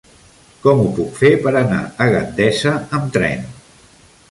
Com ho puc fer per anar a Gandesa amb tren?